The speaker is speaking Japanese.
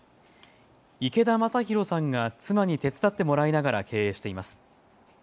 池田昌広さんが妻に手伝ってもらいながら経営しています。